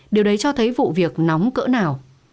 điều đấy cho thấy vụ việc nóng cỡ nào